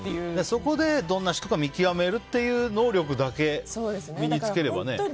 そこでどんな人か見極める能力だけ身に着ければね。